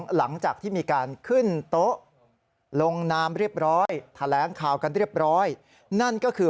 หลังจากที่มีการขึ้นโต๊ะลงนามเรียบร้อยแถลงข่าวกันเรียบร้อยนั่นก็คือ